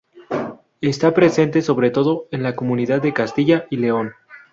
Está presente, sobre todo, en la comunidad de Castilla y León.